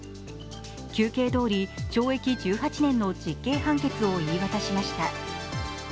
求刑どおり懲役１８年の実刑判決を言い渡しました。